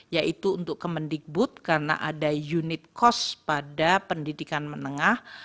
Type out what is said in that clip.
yaitu untuk kemendikbud karena ada unit cost pada pendidikan menengah